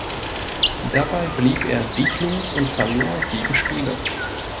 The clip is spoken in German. Dabei blieb er sieglos und verlor sieben Spiele.